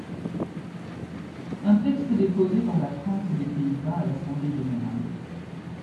Un texte est déposé par la France et les Pays-Bas à l'Assemblée générale.